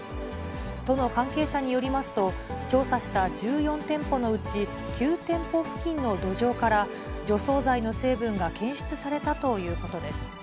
都の関係者によりますと、調査した１４店舗のうち、９店舗付近の土壌から除草剤の成分が検出されたということです。